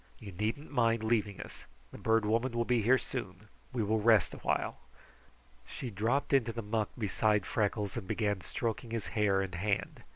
You needn't mind leaving us. The Bird Woman will be here soon. We will rest awhile." She dropped into the muck beside Freckles and began stroking his hair and hand.